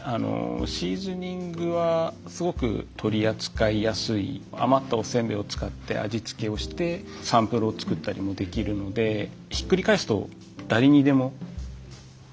シーズニングはすごく取り扱いやすい余ったおせんべいを使って味付けをしてサンプルを作ったりもできるのでひっくり返すとはあ。